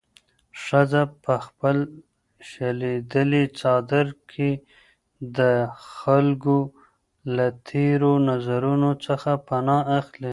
ښځه په خپل شلېدلي څادر کې د خلکو له تېرو نظرونو څخه پناه اخلي.